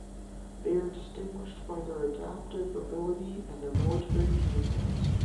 They are distinguished by their adaptive ability and their military genius.